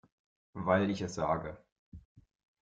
Weil ich es sage.